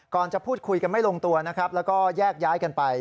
จะพูดคุยกันไม่ลงตัวนะครับแล้วก็แยกย้ายกันไป